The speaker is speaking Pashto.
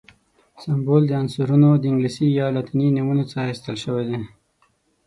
سمبول د عنصرونو د انګلیسي یا لاتیني نومونو څخه اخیستل شوی دی.